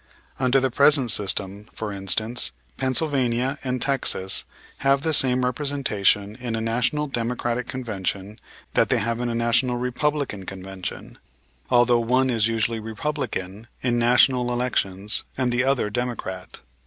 Under the present system, for instance, Pennsylvania and Texas have the same representation in a National Democratic Convention that they have in a National Republican Convention, although one is usually Republican in National elections and the other Democratic.